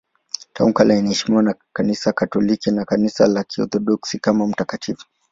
Tangu kale anaheshimiwa na Kanisa Katoliki na Kanisa la Kiorthodoksi kama mtakatifu.